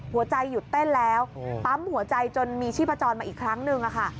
หัวใจหยุดเต้นแล้วปั๊มหัวใจจนมีชีพจรมาอีกครั้งหนึ่งค่ะ